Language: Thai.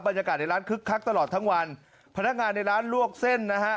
ในร้านคึกคักตลอดทั้งวันพนักงานในร้านลวกเส้นนะฮะ